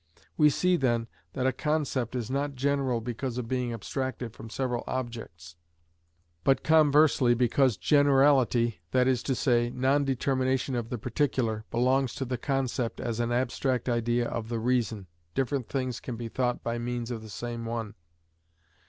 We see then that a concept is not general because of being abstracted from several objects; but conversely, because generality, that is to say, non determination of the particular, belongs to the concept as an abstract idea of the reason, different things can be thought by means of the same one.